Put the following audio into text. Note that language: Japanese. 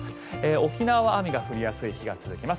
沖縄は雨が降りやすい日が続きます。